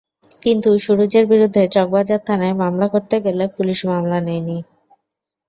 কিন্তু সুরুজের বিরুদ্ধে চকবাজার থানায় মামলা করতে গেলে পুলিশ মামলা নেয়নি।